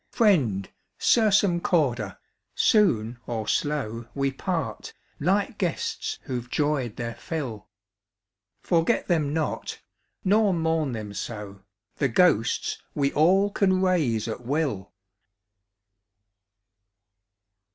ENVOY. Friend, sursum corda, soon or slow We part, like guests whoŌĆÖve joyed their fill; Forget them not, nor mourn them so, The ghosts we all can raise at will!